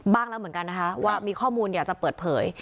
บ้างแล้วเหมือนกันนะคะว่ามีข้อมูลอยากจะเปิดเผย